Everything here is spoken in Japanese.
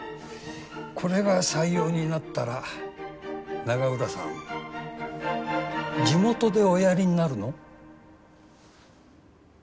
これが採用になったら永浦さん地元でおやりになるの？